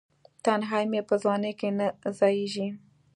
تنهایې مې په ځوانۍ کې نه ځائیږې